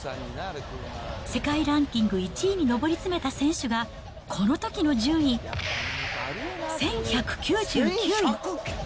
世界ランキング１位に上り詰めた選手が、このときの順位、１１９９位。